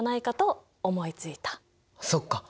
そっか。